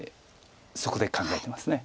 そこで考えてます。